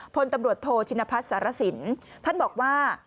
พลตำรวจโทชินพัฒน์สารสินท่านบอกว่า